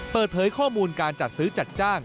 เปิดเผยข้อมูลการจัดซื้อจัดจ้าง